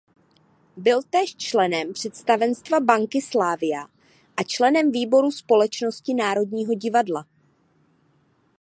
Byl též členem představenstva banky Slavia a členem výboru Společnosti Národního divadla.